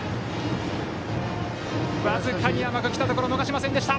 僅かに甘く来たところを逃しませんでした！